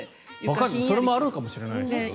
それもあるのかもしれないですよ。